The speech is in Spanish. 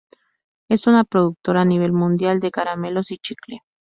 Es una productora a nivel mundial de caramelos y chicle.